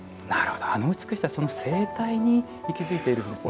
あの美しさは生態に息づいているんですね。